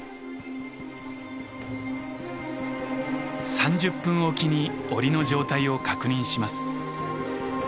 ３０分おきに檻の状態を確認します。